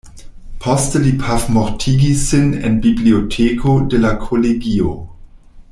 Poste li pafmortigis sin en biblioteko de la kolegio.